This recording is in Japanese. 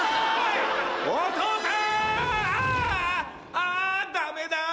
あダメだぁ。